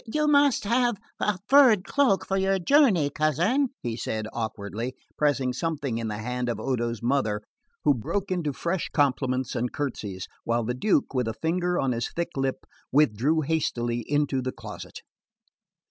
"You must have a furred cloak for your journey, cousin," said he awkwardly, pressing something in the hand of Odo's mother, who broke into fresh compliments and curtsies, while the Duke, with a finger on his thick lip, withdrew hastily into the closet.